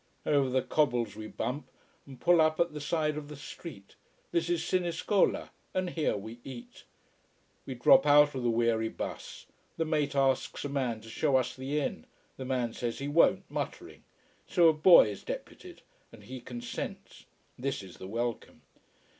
Over the cobbles we bump, and pull up at the side of the street. This is Siniscola, and here we eat. We drop out of the weary bus. The mate asks a man to show us the inn the man says he won't, muttering. So a boy is deputed and he consents. This is the welcome.